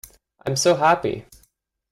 I’m so happy.